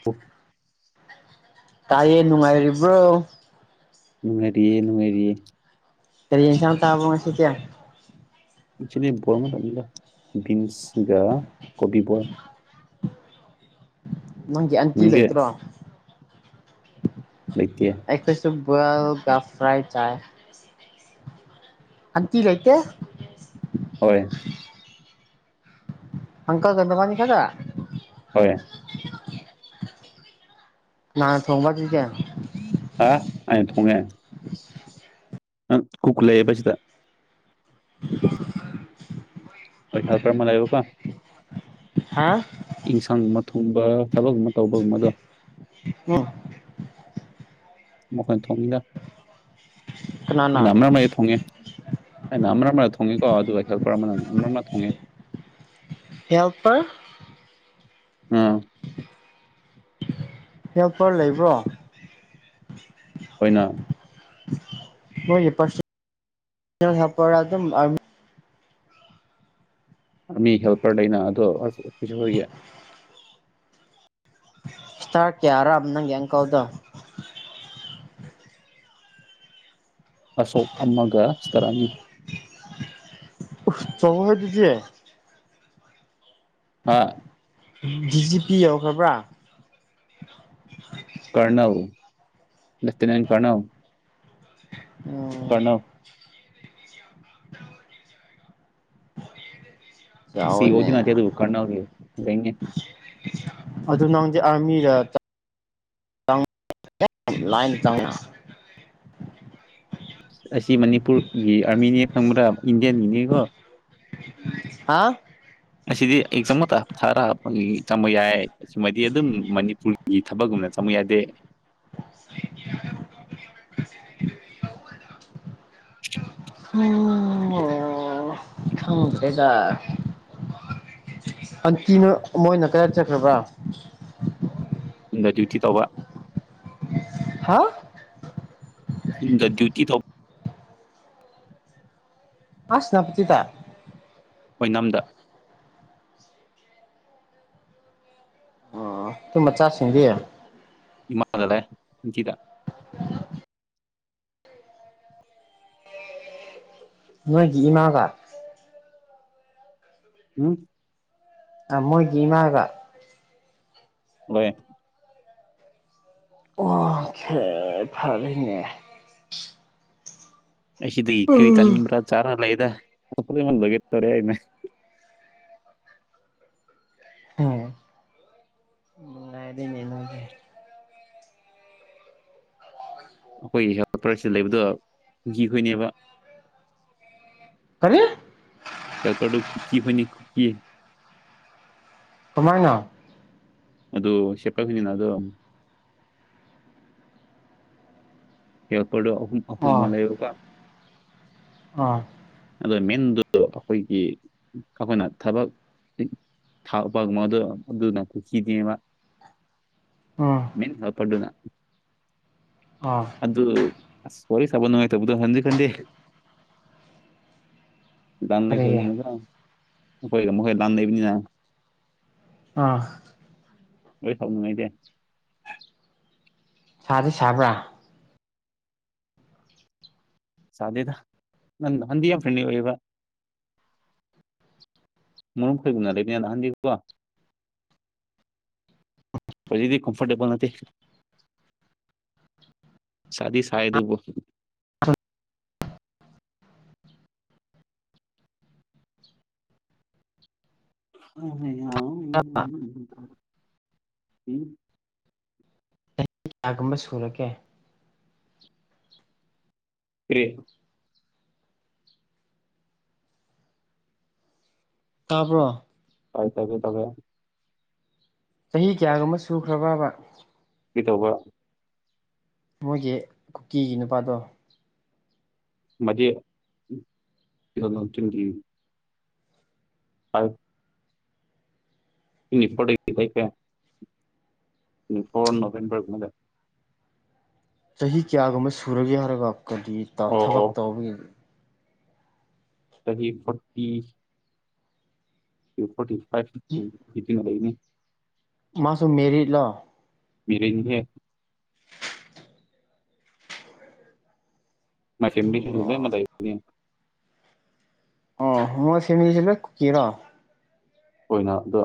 ꯇ ꯇꯥꯏꯌꯦ ꯅꯨꯡꯉꯥꯏꯔꯤꯕ꯭ꯔꯣ ꯅꯨꯡꯉꯥꯏꯔꯤꯌꯦ ꯅꯨꯡꯉꯥꯏꯔꯤꯌꯦ ꯀꯔꯤ ꯌꯦꯟꯁꯥꯡ ꯆꯥꯕ꯭ꯔꯣ ꯉꯁꯤꯗꯤ [unintelligible] ꯕꯤꯟꯁꯒ ꯀꯣꯕꯤ ꯅꯪꯒꯤ ꯑꯟꯇꯤ ꯂꯩꯇ꯭ꯔꯣ ꯂꯩꯇꯦ ꯑꯩꯈꯣꯏꯁꯨ ꯕꯣꯏꯦꯜ ꯒ ꯐ꯭ꯔꯥꯏꯠ ꯆꯥꯏ ꯑꯟꯇꯤ ꯂꯩꯥꯏꯇꯦ ꯍꯣꯏ ꯑꯡꯀꯜꯒ ꯅꯕꯥꯅꯤ ꯈꯛꯇ ꯍꯣꯏ ꯅꯥꯍꯥꯥꯟ ꯊꯣꯡꯕ ꯀꯦ ꯑ ꯑꯩꯅ ꯊꯣꯡꯉꯦ [unintelligible] [unintelligible] [unintelligible] ꯍꯥ [unintelligible] ꯊꯨꯝꯕ ꯊꯕꯛꯒꯨꯝꯕ ꯇꯧꯕꯒꯨꯝꯕꯗꯣ ꯎꯝ [unintelligible] ꯑꯩꯅ ꯀꯅꯥꯅ ꯑꯃꯔꯛꯃꯗ ꯊꯣꯡꯉꯦ ꯑꯩꯅ ꯑꯃꯔꯛ ꯃꯗ ꯊꯣꯉꯦ ꯊꯣꯡꯉꯦꯀꯣ ꯑꯗꯨꯒ ꯍꯦꯜꯄꯔ ꯑꯃꯅ ꯑꯃꯨꯛ [unintelligible] ꯊꯣꯡꯉꯦ ꯍꯦꯜꯄꯔ ꯎꯝ ꯍꯦꯜꯄꯔ ꯂꯩꯕ꯭ꯔꯣ [unintelligible] [unintelligible] ꯍꯦꯜꯄꯔ ꯑꯗꯨ ꯑꯥꯔꯃꯤ ꯍꯦꯜꯄꯔ ꯂꯩꯅ [unintelligible] ꯒꯤ ꯁ꯭ꯇꯥꯔ ꯀꯌꯥꯔꯥ ꯅꯪꯒꯤ ꯑꯪꯀꯜꯗꯣ ꯑꯁꯣꯛ ꯑꯃꯒ ꯁ꯭ꯇꯥꯔ ꯑꯅꯤ ꯆꯥꯎ ꯋꯦꯍꯦ ꯑꯗꯨꯗꯤ ꯍꯥꯥ ꯗꯤꯖꯤ ꯄꯤ ꯌꯧꯈ꯭ꯔꯕ꯭ꯔꯥ ꯀꯔꯅꯜ ꯂꯦꯐꯇꯤꯅꯦꯟ ꯀꯔꯅꯜ ꯑꯣ ꯀꯔꯅꯜ ꯁꯤ ꯑꯣ ꯆꯥꯎꯋꯦꯅꯦ ꯗꯤ ꯅꯠꯇꯦ ꯑꯗꯨ ꯀꯔꯅꯜ ꯒꯤ [inaudible] ꯑꯗꯨ ꯅꯪ ꯗꯤ ꯑꯔꯃꯤ ꯔꯥ [unintelligible] ꯑꯁꯤ ꯃꯅꯤꯄꯨꯔꯒꯤ ꯑꯥꯔꯃꯤꯅꯤ ꯈꯪꯕꯗ ꯏꯟꯗꯤꯌꯥꯟꯒꯤꯅꯦꯀꯣ ꯍꯥ ꯑꯁꯤꯗꯤ ꯑꯩ ꯆꯃ ꯇ ꯊꯥꯔ ꯍꯥꯞꯄꯒꯤ ꯆꯪꯝꯕ ꯌꯥꯏ ꯃꯗꯤ ꯑꯗꯨꯝ ꯃ ꯒꯤ ꯊꯕꯛꯒꯨꯝꯅ ꯆꯪꯃꯨ ꯌꯥꯗꯦ ꯎꯝ ꯪ꯭ꯔꯦꯗ ꯑꯟꯇꯤꯅꯣ ꯃꯣꯏꯅ ꯀꯗꯥ ꯆꯠꯈ꯭ꯔꯕ꯭ꯔꯥ ꯌꯨꯡꯗ ꯗ꯭ꯌꯨꯇꯤ ꯇꯧꯕ ꯍꯥ ꯗ ꯗ꯭ꯌꯨꯇꯤ ꯊ ꯑꯁꯅꯄꯁꯤꯤꯗ ꯑꯣꯏꯅꯝꯗ ꯑꯗꯨꯨꯝ ꯃꯆꯥꯁꯤꯡꯗꯤ ꯖꯤꯗ ꯅꯣꯏꯒꯤ ꯏꯃꯥꯒꯥꯛ ꯎꯝ ꯃꯣꯏꯒꯤ ꯏꯃꯥꯒ ꯍꯣꯏ ꯑꯣꯁ ꯐꯔꯅꯦ ꯑꯁꯤ ꯁꯤꯗ ꯏꯕꯤ ꯎꯝ ꯇꯅꯤꯕ꯭ꯔꯥ ꯆꯥ ꯂꯩꯗ ꯑꯃꯜ ꯂꯒꯦ ꯇꯔꯦꯏꯅꯦ ꯑꯣ ꯅꯨꯡꯉꯥꯏꯗꯒꯦ ꯑꯩꯈꯣꯏꯒꯤ ꯍꯦꯜꯄꯔꯁꯤ ꯂꯩꯕꯗꯣ ꯍꯤꯈꯣꯏꯅꯦꯕ ꯀꯔꯤ ꯌꯥꯌꯥꯄꯔꯨ ꯀꯨꯀꯤ ꯍꯅꯤ ꯀꯨꯀꯤꯌꯦ ꯇꯃꯥꯏꯅ ꯑꯗꯨꯗ ꯁꯦꯄꯒꯅꯤꯅꯗꯣ ꯍꯦ ꯄꯣ ꯑꯍꯨꯝ ꯑꯍꯨꯝ ꯑꯃ ꯑꯣ ꯂꯩꯔꯒ ꯑꯣꯥ ꯑ ꯃꯦꯟꯗꯨ ꯑꯩꯈꯣꯏꯒꯤ ꯑꯩꯈꯣꯏꯅ ꯊꯕꯛ ꯊꯄ ꯑꯗꯨꯅ ꯀꯨꯀꯤꯅꯦꯕ ꯎꯝ ꯃꯤꯅꯤ ꯍ ꯄꯗꯨꯨꯅ ꯑꯣ ꯑꯗꯨꯗ ꯑꯁ ꯁꯣꯔꯤ ꯆꯕ ꯅꯨꯡꯉꯥꯏ ꯇꯧꯕꯗ ꯍꯟꯗꯤ ꯈꯟꯗꯦ ꯥꯟꯅ ꯀꯔꯤꯒꯤ ꯈꯦꯅꯤꯅꯗ ꯣꯏꯒ ꯃꯈ ꯍꯩ ꯂꯥꯟ ꯂꯩ ꯄꯅꯤ ꯅ ꯑ ꯍꯣꯏ ꯁꯥꯎꯅꯤꯡꯉꯥꯏꯗꯤꯦ ꯁꯥꯗꯤ ꯁꯥꯕ꯭ꯔꯥ ꯁꯥꯗꯦꯗ ꯅ ꯍꯗꯤꯌꯥ ꯐꯅꯤ ꯑꯣꯏꯕ ꯃꯔꯨꯝ ꯈꯣꯏꯒꯨꯝꯅ ꯂꯩꯕꯅ ꯅꯍꯥꯟꯗꯤꯀꯣ ꯍꯧꯖꯤꯛꯇꯗꯤ ꯀꯝꯐꯣꯔꯇꯦꯕꯜ ꯅꯠꯇꯦ ꯁꯥꯗꯤ ꯁꯥꯏ ꯑꯗꯨꯕꯨ ꯎ ꯍ ꯑ ꯎꯝ ꯑꯩ ꯀꯌꯥꯒꯨꯝꯕ ꯁꯨꯔꯒꯦ ꯇꯦ ꯇꯥꯄ꯭ꯔꯣ ꯄꯥꯏ ꯊꯦ ꯇꯃꯦ ꯆꯍꯤ ꯀꯌꯥꯒꯨꯝꯕ ꯁꯨꯈ꯭ꯔꯕꯕ ꯀ ꯇꯧꯕ ꯃꯣꯏꯒꯤ ꯀꯨꯀꯤꯒꯤ ꯅꯨꯄꯥꯗꯣ ꯃꯗꯤ ꯆ ꯐ ꯏ ꯐꯣꯔ ꯀꯦ ꯏ ꯐꯣꯔ ꯅꯣꯕꯕꯔꯗ ꯆꯍꯤ ꯀꯌꯥꯒꯨꯝꯕ ꯁꯨꯔꯒꯦ ꯍꯥꯏꯔꯔꯕ ꯀꯗꯤ ꯊꯕꯛ ꯑꯣ ꯇꯧꯕꯒꯤ ꯀꯔꯤ ꯐꯣꯔꯇꯤ ꯐꯣꯔꯇꯤ ꯐꯥꯏꯚꯨ ꯍꯅꯦ ꯃꯥꯁꯨ ꯃꯦꯔꯤꯠꯂꯣ ꯃꯤꯔꯅꯤꯡꯦ ꯃ ꯆꯃꯤꯁꯨꯁꯨ ꯃ ꯑꯣ ꯃꯣꯏ ꯐꯦꯃꯤꯂ ꯀꯨꯀꯤꯔꯣ ꯑꯣꯏꯅ ꯑꯗꯨ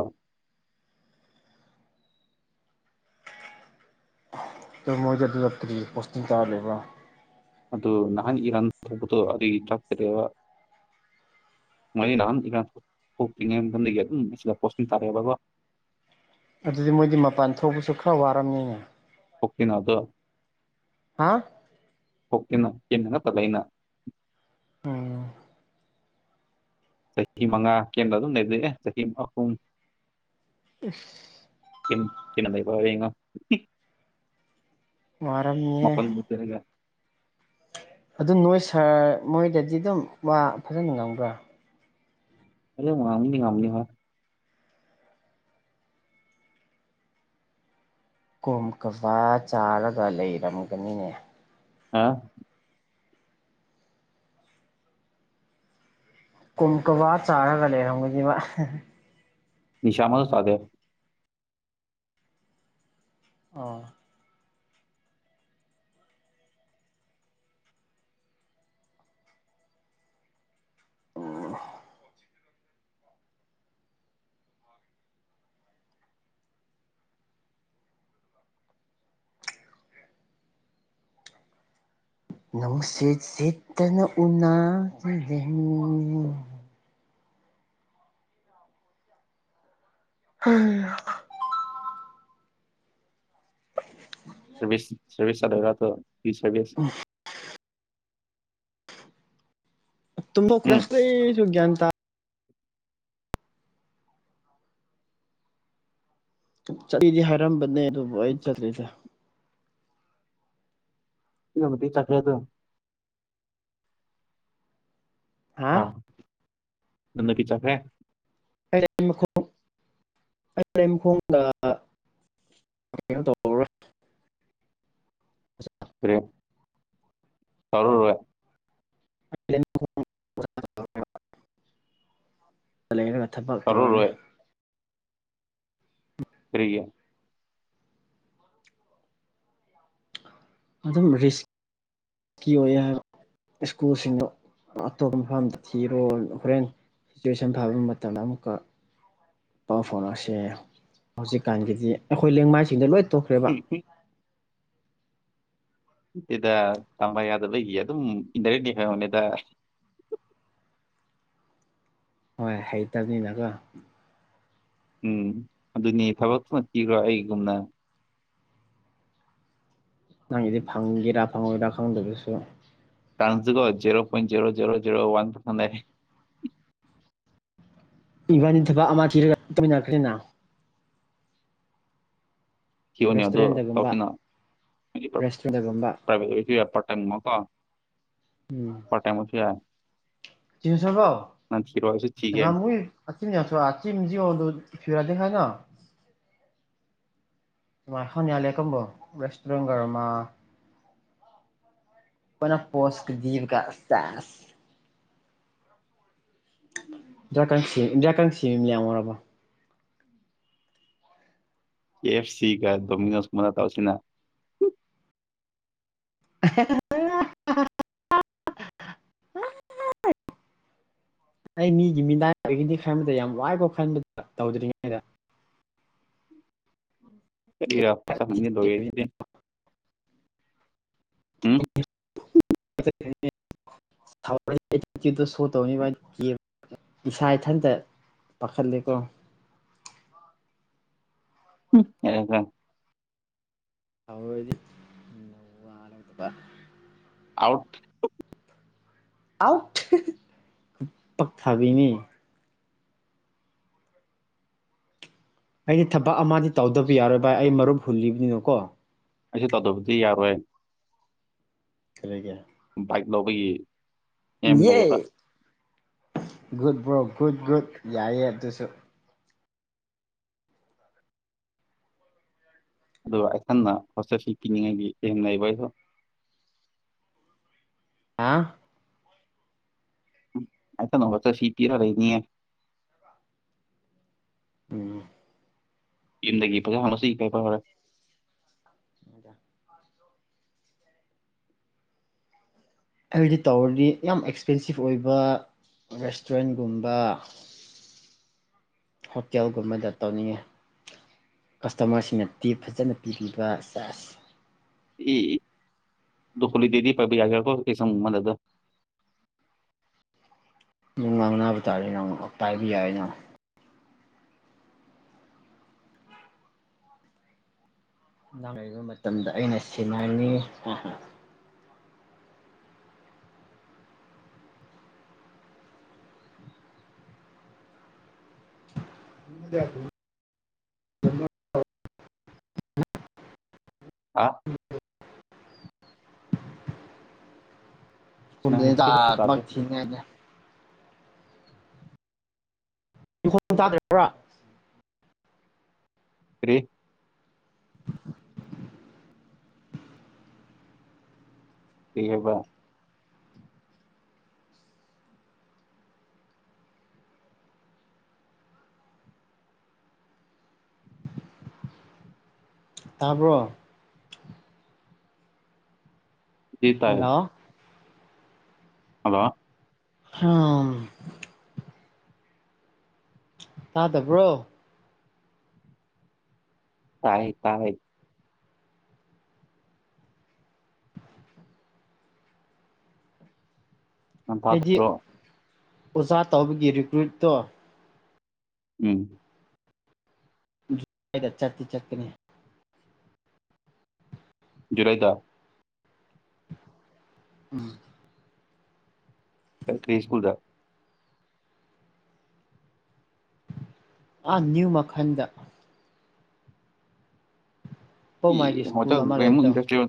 ꯃꯣꯏꯗ ꯑꯗꯨꯇꯔꯤ ꯄꯣꯁꯇ ꯇꯥꯔꯔꯦꯕ ꯑꯗꯨ ꯅꯍꯥꯟ ꯏꯔꯥꯟ ꯊꯣꯛꯄꯗꯣ ꯑꯗꯨꯒꯤ ꯆꯥꯛꯆꯔꯦꯕ ꯃꯣꯏ ꯅꯍꯥꯟ ꯏꯔꯥꯡ ꯊꯣꯛ ꯊꯣꯛꯇ꯭ꯔꯤꯉꯩ ꯃꯇꯝꯗꯒꯤ ꯑꯗꯨꯝ ꯑꯁꯤꯗ ꯄꯣꯠꯁꯤꯟ ꯇꯥꯔꯛꯑꯦꯕ ꯕꯕꯥ ꯑꯗꯨꯗꯤ ꯃꯣꯏꯗꯤ ꯃꯄꯥꯟ ꯊꯣꯛꯄꯁꯨ ꯈꯔ ꯋꯥꯔꯝꯅꯤꯅꯦ ꯍꯄꯤꯅꯗꯨ ꯍꯥ ꯍꯇꯅꯣ ꯌꯦꯟꯅꯅ ꯇꯂꯅ ꯎꯝ ꯆꯍꯤ ꯃꯉꯥ ꯀꯦꯟꯗ꯭ꯔ ꯑꯗꯨꯝ ꯂꯩꯖꯦ ꯆꯍꯤ ꯑꯍꯨꯝ ꯎ ꯁꯤꯅ ꯇꯏ ꯄꯉꯣ ꯃꯔꯔꯝ ꯌꯦ ꯑꯗꯨ ꯅꯣꯏ ꯁꯥꯔ ꯃꯣꯏꯗꯗꯤ ꯑꯗꯨꯝ ꯐꯖꯅ ꯉꯪꯕ꯭ꯔꯥ ꯑꯅꯤ ꯉꯅꯤ ꯀꯣꯝ ꯀꯕ ꯆꯥꯔꯒ ꯂꯩꯔꯝꯒꯅꯤꯅꯦ ꯍꯥ ꯀꯨꯝꯀꯕꯥ ꯆꯥꯔꯥꯒ ꯂꯩꯔꯣꯡꯒꯦ ꯅꯤꯁꯥꯃ ꯁꯥꯗꯦ ꯑꯣ ꯑꯣ ꯅꯨꯡꯁꯤꯠ ꯁꯤꯠꯇꯅ ꯎꯅꯁꯤꯔꯃꯤ ꯍꯝ [unintelligible] ꯆꯕꯤꯁ ꯆ꯭ꯔꯕꯤꯁ ꯁ ꯂꯩꯒ ꯇ ꯕꯤꯁ ꯑꯣꯒꯁ ꯇꯨꯝꯕ ꯎꯝ ꯎꯈ꯭ꯔꯥꯁꯦ ꯁꯨꯒꯌꯥꯇ ꯆꯠꯂꯤꯗꯤ ꯍꯥꯏꯔꯝꯕꯅꯦ ꯑꯗꯨꯕꯨ ꯑꯩ ꯆꯠꯂꯤꯁꯦ ꯀꯃꯗꯤ ꯆꯠꯈ꯭ꯔꯦ ꯑꯗꯨꯣ ꯍꯥ ꯅꯟꯅ ꯄ ꯆꯦ ꯃꯈꯣꯡ ꯑ ꯃꯈꯣꯡꯗꯩꯅꯣ ꯇ ꯐ ꯆꯔꯦ ꯂꯩꯔꯒ ꯊꯕꯛ ꯇꯧꯔꯅꯤ ꯇꯧꯔꯔꯣꯏ ꯐꯣ ꯑꯗꯨꯝ ꯔꯤꯁꯀꯤ ꯑꯣꯏ ꯁ꯭ꯀꯨꯜꯁꯤꯡꯗꯣ ꯑꯇꯣꯞꯄ ꯃꯐꯝꯗ ꯊꯤꯔꯣ ꯍꯣꯔꯦꯟ ꯁꯤꯆꯨꯋꯦꯁꯟ ꯐꯕ ꯃꯇꯝꯗ ꯑꯃꯨꯛꯀ ꯄꯥꯎ ꯐꯥꯎꯅꯛꯁꯦ ꯍꯧꯖꯤꯛꯀꯥꯟꯒꯤꯗꯤ ꯑꯩꯈꯣꯏ ꯂꯩꯦꯡꯃꯥꯏꯁꯤꯡꯗ ꯂꯣꯏ ꯇꯣꯛꯈ꯭ꯔꯦꯕ ꯑꯗꯨꯗ ꯇꯝꯕ ꯌꯥꯗꯕꯒꯤ ꯑꯗꯨꯝ ꯏꯟꯗꯥꯏꯔꯦꯛꯂꯤ ꯍꯥꯏꯣꯅꯦꯗ ꯍꯣꯏ ꯍꯩꯇꯕꯅꯤꯅꯀꯣ ꯎꯝ ꯑꯗꯨꯅꯤ ꯊꯕꯛꯇꯨꯃ ꯄꯤꯈ꯭ꯔꯣ ꯑꯩꯒꯨꯝꯅ ꯅꯪꯒꯤꯗꯤ ꯐꯪꯒꯦꯔꯥ ꯐꯪꯉꯣꯏꯔꯥ ꯈꯪꯗꯗꯨꯁꯨ ꯆꯥꯟꯁꯁꯤꯣ zero point zero zero zero one ꯄꯁ ꯏꯕꯥꯅꯤ ꯊꯕꯛ ꯑꯃ ꯊꯤꯔꯒ ꯇꯃꯤꯟꯅꯈ꯭ꯔꯅꯤꯅ ꯀꯤꯌꯣꯅꯤ ꯑ ꯑꯗꯨ ꯔꯦꯁꯇꯨꯔꯦꯟꯗꯒꯨꯝꯕ ꯇꯧꯁꯤꯤꯅ ꯍꯥꯏꯗꯤ ꯔꯦꯁꯇꯨꯔꯦꯟꯗꯒꯨꯝꯕ ꯄ꯭ꯔꯥꯏꯚꯦꯠ ꯑꯣꯏꯔꯁꯨ ꯌꯥꯏ ꯄꯥꯔꯠ ꯇꯥꯏꯝꯒꯨꯝꯀꯣ ꯄꯥꯔꯠ ꯇꯥꯏꯝ ꯑꯣꯏꯁꯨ ꯌꯥꯏ ꯇꯁꯕ ꯅꯪ ꯊꯤꯔꯣ ꯑꯩꯁꯨ ꯆ ꯊꯤꯒꯦ ꯉ ꯌꯥ ꯑꯗꯨ ꯐꯤ ꯅ ꯈꯅꯤꯌꯥ ꯀꯕꯨꯣ ꯔꯦꯁꯇꯔ ꯄꯣꯁꯖꯤꯕ ꯀ ꯆ ꯏꯗꯌꯥꯁꯤ ꯏꯟꯗꯤꯔꯌꯥ ꯀꯥꯡꯁꯤ ꯃ ꯌꯥꯝ ꯑꯣꯏꯔꯕ ꯀ ꯑꯦꯐ ꯁꯤ ꯀꯥꯏ ꯗꯣꯃꯤꯅꯣꯁ ꯃꯅ ꯇꯎꯁꯤꯅ [unintelligible] ꯍ ꯑꯩ ꯃꯤꯒꯤ ꯃꯤꯗꯥꯏ ꯑꯣꯏꯒꯤꯅꯤ ꯈꯟꯕꯗ ꯌꯥꯝ ꯋꯥꯏꯈꯣ ꯈꯟꯕꯗ ꯇꯧꯗ꯭ꯔꯤꯉꯩꯗ ꯀꯔꯤꯔꯄꯁꯅꯤ ꯂꯦ ꯏ ꯎꯝ ꯁꯣ ꯇꯧꯅꯤ ꯏꯁꯥ ꯏꯊꯟꯇ ꯄꯥꯈꯠꯂꯦꯀꯣ ꯑꯦꯗ ꯍꯗꯤꯔꯠꯇꯄꯥ ꯑꯥꯎꯠ ꯑꯥꯎꯠ ꯄꯛꯊꯥꯕꯤꯃꯤ ꯑꯩꯗꯤ ꯊꯕꯛ ꯑꯃꯗꯤ ꯇꯧꯗꯕ ꯌꯥꯔꯣꯏ ꯚꯥꯏ ꯑꯩ ꯃꯔꯨꯞ ꯍꯨꯜꯂꯤꯕꯅꯤꯅꯀꯣ ꯑꯩ ꯇꯧꯗꯕꯨꯗꯤ ꯌꯥꯔꯣꯏ ꯈꯔꯒꯦ ꯕꯥꯏꯛ ꯂꯧꯕꯒꯤ ꯑꯦꯝ ꯌꯦꯏ ꯂꯩꯌꯦꯕ ꯒꯨꯗ ꯕ꯭ꯔꯣ ꯒꯨꯗ ꯒꯨꯗ ꯌꯥꯏꯌꯦ ꯑꯗꯨꯁꯨ ꯑꯗꯨꯒ ꯑꯩꯈꯟꯅ ꯍꯣꯇꯦꯜꯁꯤ ꯄꯤꯅꯤꯡꯉꯥꯏꯒꯤ ꯍꯡꯅꯏꯕ ꯑꯩꯍꯣ ꯑ ꯑꯁ ꯅꯆꯥ ꯁꯤꯤ ꯄꯤꯔ ꯀꯦꯅꯤꯌꯦꯦ ꯎꯝ ꯤꯟꯗꯒꯤ ꯄ ꯀꯁꯤ ꯀꯦ ꯍꯔꯦ ꯃꯗ ꯑꯩꯗꯤ ꯇꯧꯔꯗꯤ ꯌꯥꯝ ꯑꯦꯛꯁꯄꯦꯟꯁꯤꯞ ꯑꯣꯏꯕ ꯔꯦꯁꯇꯨꯔꯦꯟꯒꯨꯝꯕ ꯍꯣꯇꯦꯜꯒꯨꯝꯕꯗ ꯇꯧꯅꯤꯡꯉꯤ ꯀꯁꯇꯃꯔꯁꯤꯡꯅ ꯇꯤꯞ ꯐꯖꯅ ꯄꯤꯕꯤꯕ ꯆꯥꯔꯖ ꯏ ꯗꯨ ꯈꯣꯜꯂꯤ ꯗꯦꯗꯤ ꯄꯖꯒꯣ ꯀꯁꯥ ꯃꯨ ꯃꯗ ꯅꯨꯡ ꯉꯥꯡꯕ ꯇꯥꯔꯦ ꯅꯪ ꯄꯥꯏꯕ ꯌꯥꯏ ꯑꯩꯅ ꯂꯥꯡꯉꯕ ꯃꯇꯝꯗ ꯑꯩꯅ ꯁꯤꯟꯅꯉꯤ ꯗ ꯍꯥꯥ ꯅꯪ ꯍꯥꯏꯗꯤ ꯄꯩꯁꯥ ꯊ ꯇꯥꯗꯦ ꯇꯅꯦꯅꯦ ꯈꯣꯡꯣꯡ ꯇꯥꯗ꯭ꯔꯔꯕ꯭ꯔꯥ ꯐꯔꯤ ꯏꯍꯕ ꯇꯥꯕ꯭ꯔꯣ ꯖꯤꯇꯥꯦ ꯍꯜꯂꯣ ꯍꯗꯣ ꯑꯥ ꯇꯥꯗꯕ꯭ꯔꯣ ꯇꯥꯏ ꯇꯥꯏ ꯅꯟ ꯑꯩꯗꯤ ꯊꯥꯗꯔꯣ ꯑꯣꯖꯥ ꯇꯧꯕꯒꯤ ꯔꯤꯀ꯭ꯔꯨꯏꯠꯇꯣ ꯎꯝ ꯗ ꯆꯠꯠꯇꯤ ꯆꯠꯀꯅꯤ ꯖꯔꯩꯗꯥ ꯎꯝ ꯀ꯭ꯔꯤ ꯁꯀꯨꯜꯗ ꯑꯥ ꯅ꯭ꯌꯨ ꯃꯈꯟꯗ ꯄꯧꯃꯥꯏꯒꯤ ꯍ ꯁ꯭ꯀꯨꯜ ꯑꯃ ꯦ ꯂꯩꯕꯗꯣ ꯏꯟꯁꯇ꯭ꯔꯤ ꯋꯥ